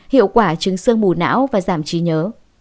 hiệu quả chứng sương bù não và giảm trí nhớ